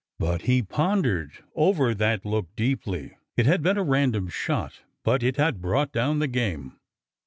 But he pondered over that look deeply. ... It had been a random shot but it had brought down the game.